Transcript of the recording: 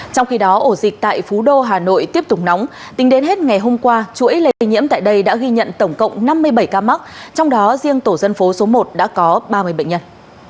trong khi đó ổ dịch tại phú đô hà nội tiếp tục nóng tính đến hết ngày hôm qua chuỗi lây nhiễm tại đây đã ghi nhận tổng cộng năm mươi bảy ca mắc trong đó riêng tổ dân phố số một đã có ba mươi bệnh nhân